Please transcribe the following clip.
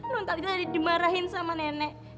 nontalita tadi dimarahin sama nenek